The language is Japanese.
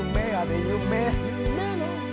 「夢の」